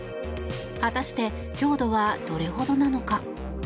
果たして強度はどれほどなのか。